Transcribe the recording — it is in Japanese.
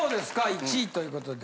１位ということで。